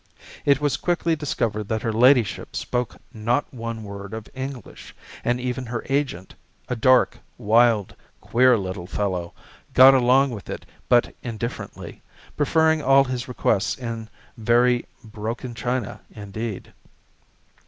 It was quickly discovered that her ladyship spoke not one word of English, and even her agent a dark, wild, queer little fellow, got along with it but indifferently, preferring all his requests in very "broken China" indeed.